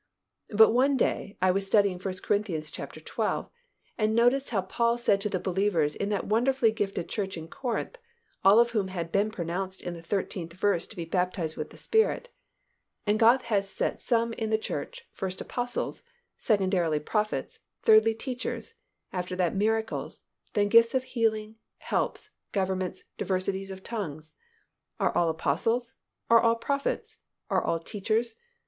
But one day I was studying 1 Cor. xii. and noticed how Paul said to the believers in that wonderfully gifted church in Corinth, all of whom had been pronounced in the thirteenth verse to be baptized with the Spirit, "And God hath set some in the church, first apostles, secondarily prophets, thirdly teachers, after that miracles, then gifts of healing, helps, governments, diversities of tongues. Are all apostles? Are all prophets? Are all teachers?